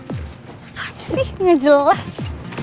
gak ada sih gak jelas